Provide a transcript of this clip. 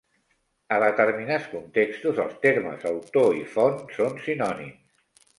A determinats contextos, els termes autor i font són sinònims.